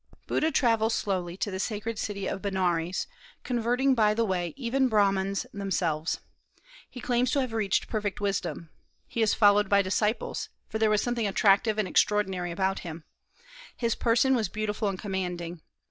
Buddha travels slowly to the sacred city of Benares, converting by the way even Brahmans themselves. He claims to have reached perfect wisdom. He is followed by disciples, for there was something attractive and extraordinary about him; his person was beautiful and commanding.